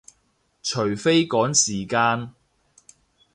除非趕時間